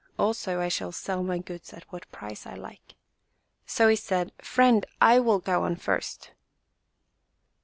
Also, I shall sell my goods at what price I like." So he said, "Friend, I will go on first."